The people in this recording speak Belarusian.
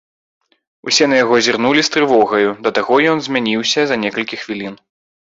Усе на яго зірнулі з трывогаю, да таго ён змяніўся за некалькі хвілін.